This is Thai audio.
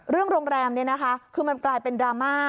โรงแรมนี้นะคะคือมันกลายเป็นดราม่า